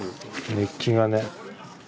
熱気がね。